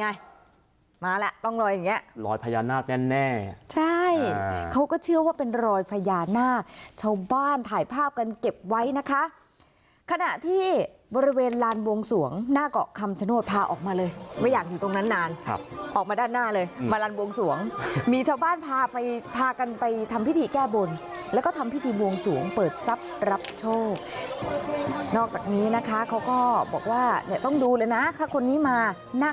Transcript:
ไงมาแหละร่องรอยอย่างเงี้รอยพญานาคแน่ใช่เขาก็เชื่อว่าเป็นรอยพญานาคชาวบ้านถ่ายภาพกันเก็บไว้นะคะขณะที่บริเวณลานบวงสวงหน้าเกาะคำชโนธพาออกมาเลยไม่อยากอยู่ตรงนั้นนานครับออกมาด้านหน้าเลยมาลานบวงสวงมีชาวบ้านพาไปพากันไปทำพิธีแก้บนแล้วก็ทำพิธีบวงสวงเปิดทรัพย์รับโชคนอกจากนี้นะคะเขาก็บอกว่าเนี่ยต้องดูเลยนะถ้าคนนี้มาหน้า